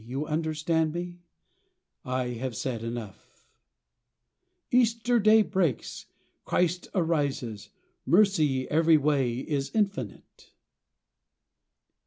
You understand me? I have said enough !" ]£a9ter*S)a^ breal^s! Cbrist rises! /IDerc^ ever^ wa^ is Untinite!